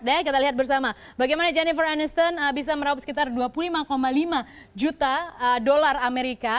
deh kita lihat bersama bagaimana jennifer aniston bisa meraup sekitar dua puluh lima lima juta dolar amerika